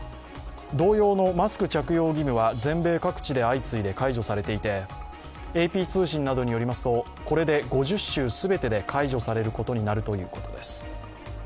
同様のマスク着用義務は全米各地で相次いで解除されていてＡＰ通信などによりますとこれで５０州全てで解除されることになるということです。